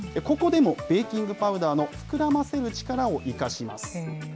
ここでもベーキングパウダーの膨らませる力を生かします。